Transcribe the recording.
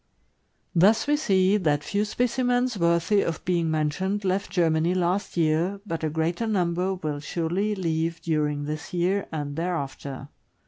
Thus we see that few specimens worthy of being men tioned left Germany last year, but a greater number will surely leave during this year and thereafter.